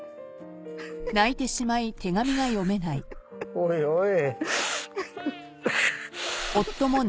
おいおい。